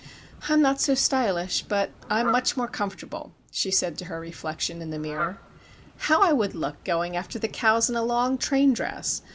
"I'm not so stylish, but I'm much more comfortable," she said to her reflection in the mirror. "How I would look going after the cows in a long, train dress!